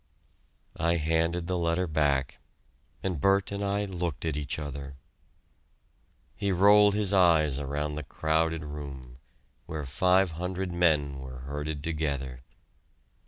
I handed the letter back, and Bert and I looked at each other. He rolled his eyes around the crowded room, where five hundred men were herded together.